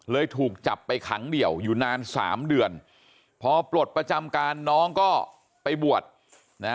ถูกจับไปขังเดี่ยวอยู่นานสามเดือนพอปลดประจำการน้องก็ไปบวชนะ